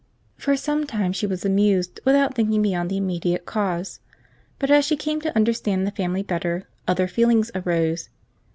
For some time she was amused, without thinking beyond the immediate cause; but as she came to understand the family better, other feelings arose.